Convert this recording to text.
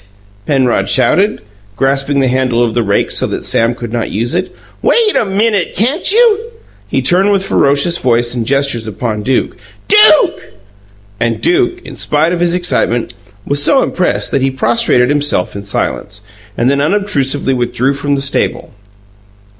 Penrod shouted, grasping the handle of the rake so that Sam could not use it. "Wait a MINUTE, can't you?" He turned with ferocious voice and gestures upon Duke. "DUKE!" And Duke, in spite of his excitement, was so impressed that he prostrated himself in silence, and then unobtrusively withdrew from the stable.